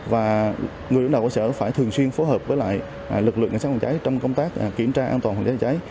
và người đồng đạo quốc sở phải thường xuyên phối hợp với lực lượng ngành sát phòng cháy trong công tác kiểm tra an toàn phòng cháy chữa cháy